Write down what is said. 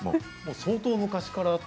相当、昔から。